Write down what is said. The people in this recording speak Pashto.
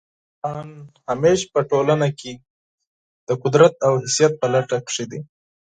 انسان همېشه په ټولنه کښي د قدرت او حیثیت په لټه کښي دئ.